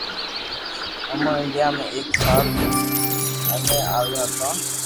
امو انڌيا مي ايڪ سال اجين آويو ھتو